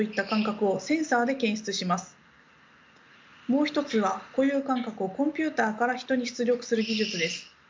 もう一つは固有感覚をコンピューターから人に出力する技術です。